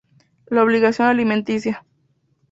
La obligación alimenticia.